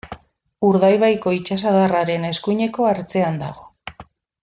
Urdaibaiko itsasadarraren eskuineko ertzean dago.